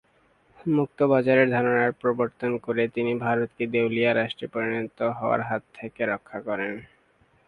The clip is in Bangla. মুক্ত বাজারের ধারণার প্রবর্তন করে তিনি ভারতকে দেউলিয়া রাষ্ট্রে পরিণত হওয়ার হাত থেকে রক্ষা করেন।